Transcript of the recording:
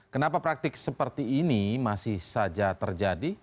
kenapa praktik seperti ini masih saja terjadi